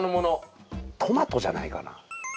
トマトじゃないかな？